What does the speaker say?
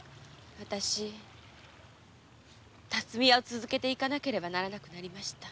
辰巳屋を続けていかねばならなくなりました。